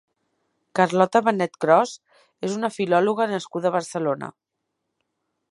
Carlota Benet Cros és una filòloga nascuda a Barcelona.